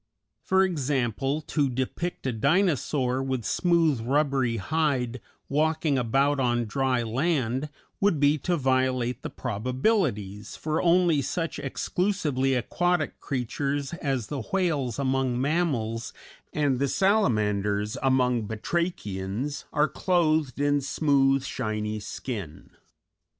For example, to depict a Dinosaur with smooth, rubbery hide walking about on dry land would be to violate the probabilities, for only such exclusively aquatic creatures as the whales among mammals, and the salamanders among batrachians, are clothed in smooth, shiny skin.